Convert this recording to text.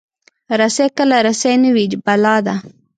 رسۍ کله رسۍ نه وي، بلا ده.